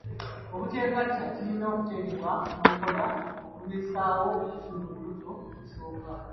Obuteegatta kirina okuteekebwa mu nkola okulwisaawo okufuna olubuto olusooka.